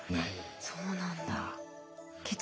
そうなんだ。